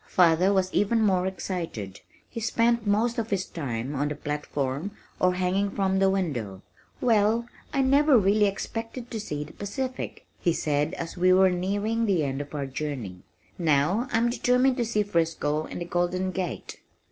Father was even more excited. He spent most of his time on the platform or hanging from the window. "Well, I never really expected to see the Pacific," he said as we were nearing the end of our journey. "Now I'm determined to see Frisco and the Golden Gate."